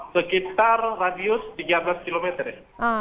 sekitar radius tiga belas kilometer ya